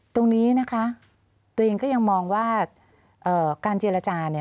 ตรงนี้นะคะตัวเองก็ยังมองว่าการเจรจาเนี่ย